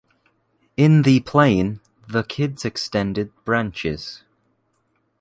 In the plain, the kids extended branches.